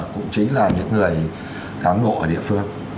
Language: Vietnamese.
cũng chính là những người cán bộ ở địa phương